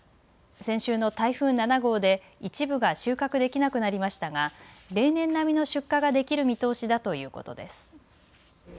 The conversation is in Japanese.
先週の台風７号で一部が収穫できなくなりましたが例年並みの出荷ができる見通しだということです。